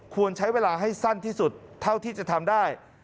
ควรใช้เวลาให้สั้นที่สุดเท่าที่จะทำได้